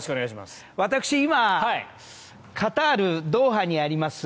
私、今カタール・ドーハにあります